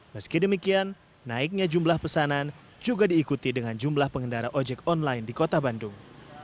meski demikian naiknya jumlah pesanan juga diikuti dengan jumlah pengendara ojek online di kota bandung